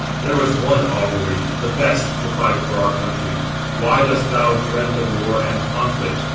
There is one augury, the best, to fight for our country. 401 Why dost thou dread the war and conflict?